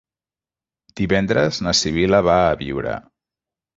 Divendres na Sibil·la va a Biure.